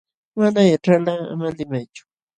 Mana yaćhalqa ama limaychu.